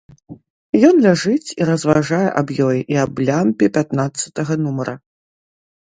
Ён ляжыць і разважае аб ёй і аб лямпе пятнаццатага нумара.